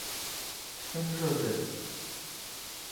São José